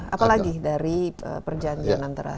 apalagi dari perjanjian antara